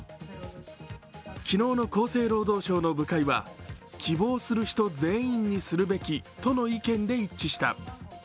昨日の厚生労働省の部会は、希望する人全員にするべきとの意見で一致した。